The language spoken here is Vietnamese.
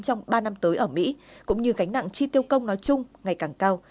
trong ba năm tới ở mỹ cũng như gánh nặng chi tiêu công nói chung ngày càng cao